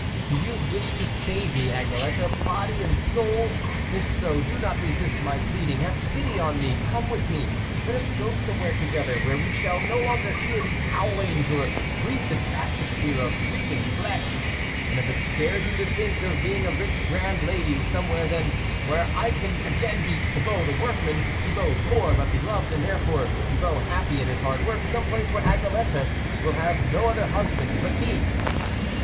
Do you wish to save me, Agnelette, body and soul ? If so, 104 THE WOLF LEADER do not resist my pleading, have pity on me, come with me ; let us go somewhere together, where we shall no longer hear these bowlings, or breathe this atmos phere of reeking flesh ; and, if it scares you to think of being a rich, grand lady, somewhere then where I can again be Thibault the workman, Thibault, poor but beloved, and, therefore, Thibault happy in his hard work, some place where Agnelette will have no other husband but me."